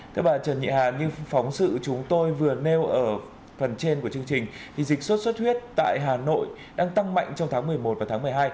thưa bà trần nhị hà như phóng sự chúng tôi vừa nêu ở phần trên của chương trình thì dịch sốt xuất huyết tại hà nội đang tăng mạnh trong tháng một mươi một và tháng một mươi hai